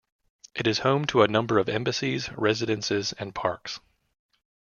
It is home to a number of embassies, residences and parks.